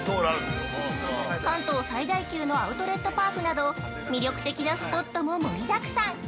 関東最大級のアウトレットパークなど魅力的なスポットも盛りだくさん。